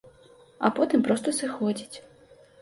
А потым проста сыходзіць.